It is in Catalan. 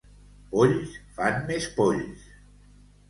Polls fan més polls.